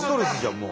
もう。